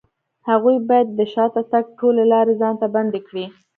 هغوی بايد د شاته تګ ټولې لارې ځان ته بندې کړي.